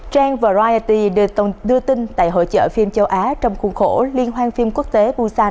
trang variety đưa tin tại hội trợ phim châu á trong khuôn khổ liên hoan phim quốc tế busan